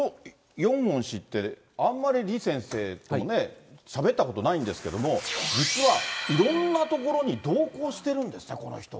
チョ・ヨンウォン氏ってあんまり李先生としゃべったことないんですけども、実はいろんな所に同行してるんですね、この人は。